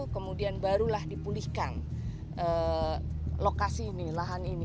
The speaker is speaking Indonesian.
kemudian barulah dipulihkan lokasi ini lahan ini